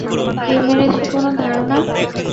কে মেরেছে, কোনো ধারণা?